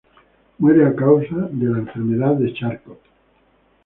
Muere a causa de la enfermedad de Charcot.